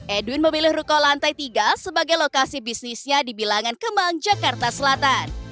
edwin memilih ruko lantai tiga sebagai lokasi bisnisnya di bilangan kemang jakarta selatan